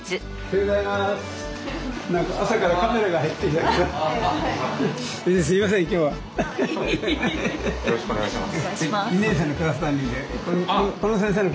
よろしくお願いします。